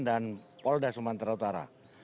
dan poli sumatera utara